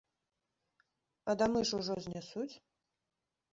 А дамы ж ужо знясуць!